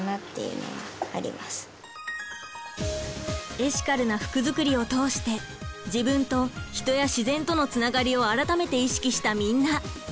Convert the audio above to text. エシカルな服作りを通して自分と人や自然とのつながりを改めて意識したみんな。